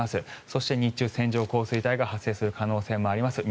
そして日中、線状降水帯が発生する可能性もあります。